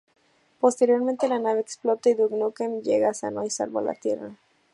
Posteriormente, la nave explota, y Duke Nukem llega sano y salvo a la Tierra.